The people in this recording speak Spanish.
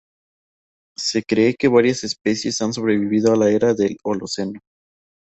Se cree que varias especies han sobrevivido a la era del Holoceno.